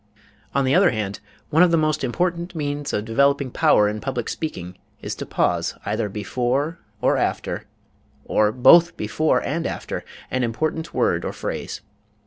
On the other hand, one of the most important means of developing power in public speaking is to pause either before or after, or both before and after, an important word or phrase.